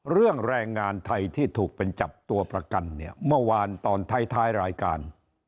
แรงงานไทยที่ถูกเป็นจับตัวประกันเนี่ยเมื่อวานตอนท้ายท้ายรายการ